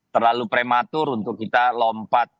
terlalu prematur untuk kita lompat